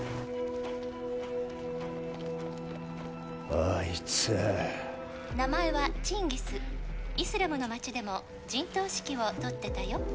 あいつ「名前はチンギス」「イスラムの街でも陣頭指揮を執ってたよ」